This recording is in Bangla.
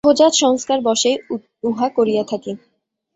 সহজাত সংস্কারবশেই উহা করিয়া থাকি।